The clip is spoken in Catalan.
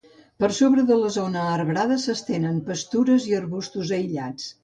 Per sobre de la zona arbrada s'estenen pastures i arbustos aïllats.